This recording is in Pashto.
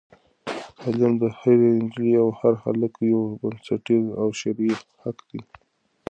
تعلیم د هرې نجلۍ او هر هلک یو بنسټیز او شرعي حق دی.